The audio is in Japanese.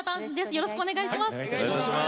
よろしくお願いします。